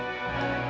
enggak bu enggak